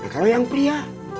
kalau yang pria